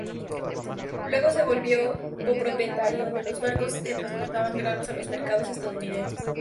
Luego se volvió copropietario de los barcos que transportaban granos a los mercados estadounidenses.